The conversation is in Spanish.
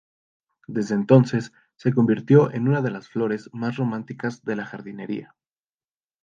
Desde entonces, se convirtió en una de las flores más románticas de la jardinería.